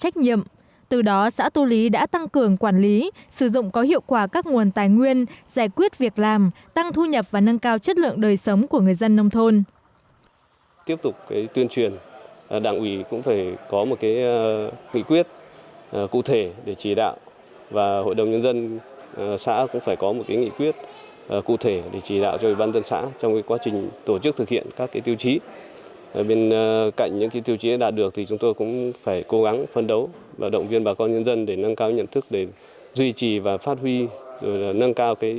thường quản lý sử dụng có hiệu quả các nguồn tài nguyên giải quyết việc làm tăng thu nhập và nâng cao chất lượng đời sống của người dân nông thôn